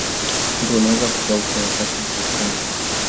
Mto umeanza kukauka wakati wa ukame